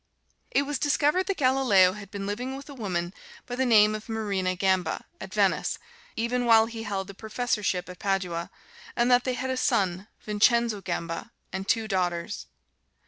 It was discovered that Galileo had been living with a woman by the name of Marina Gamba, at Venice, even while he held the professorship at Padua, and that they had a son, Vincenzo Gamba, and two daughters.